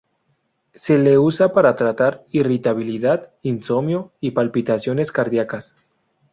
Se la usa para tratar irritabilidad, insomnio y palpitaciones cardíacas.